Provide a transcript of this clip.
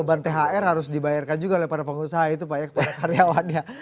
beban thr harus dibayarkan juga oleh para pengusaha itu pak ya kepada karyawannya